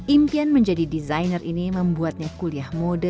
impian menjadi desainer ini membuatnya kuliah mode